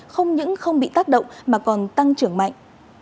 không những không bị tác động mà còn tăng trưởng mạnh